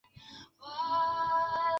她还是咬著牙站起身